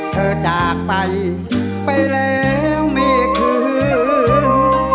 จากไปไปแล้วไม่คืน